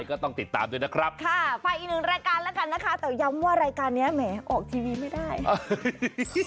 เออดีมากเลยอะอะค่ะไปอีกหนึ่งรายการแล้วกันนะคะแต่ย้ำว่ารายการนี้แหมออกทีวีไม่ได้